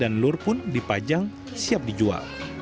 dan lur pun dipajang siap dijual